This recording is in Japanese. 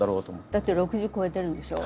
だって６０超えてるんでしょう？